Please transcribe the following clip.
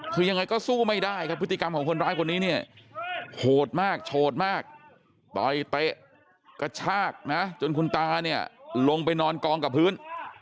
มียังไงก็สู้ไม่ได้คือพฤติกรรมของคนร้ายคนนี้เนี่ยโหดมากโดยเตะจนคุณตาลงไปนอนกองกับพื้น